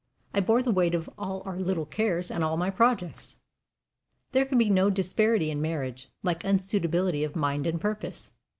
I bore the weight of all our little cares and all my projects. "There can be no disparity in marriage like unsuitability of mind and purpose."